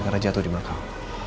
karena jatuh di makau